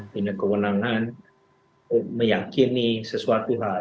punya kewenangan meyakini sesuatu hal